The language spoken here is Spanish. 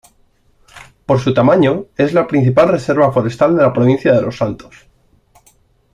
Por su tamaño es la principal reserva forestal de la provincia de Los Santos.